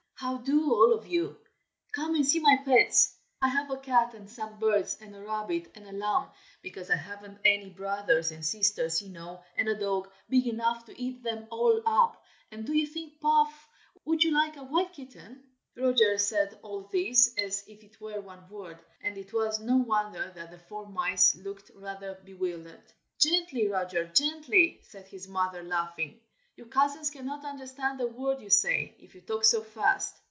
"How do, all of you! come and see my pets! I have a cat and some birds and a rabbit and a lamb because I haven't any brothers and sisters you know and a dog big enough to eat them all up and do you think Puff would like a white kitten?" Roger said all this as if it were one word, and it was no wonder that the four mice looked rather bewildered. "Gently, Roger! gently!" said his mother, laughing. "Your cousins cannot understand a word you say, if you talk so fast."